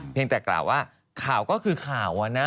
ยังแต่กล่าวว่าข่าวก็คือข่าวนะ